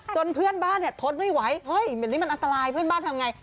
จนเพื่อนบ้านทดไม่ไหวเหมือนอันตรายเพื่อนบ้านทำอย่างไร